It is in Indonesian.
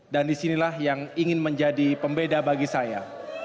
dan disinilah yang ingin menjadi pembeda bagi saya